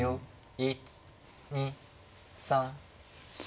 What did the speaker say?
１２３４。